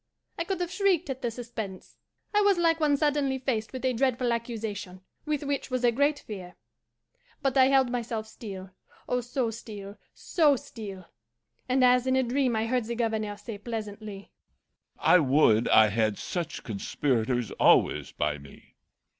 I could have shrieked at the suspense. I was like one suddenly faced with a dreadful accusation, with which was a great fear. But I held myself still oh, so still, so still and as in a dream I heard the Governor say pleasantly, 'I would I had such conspirators always by me.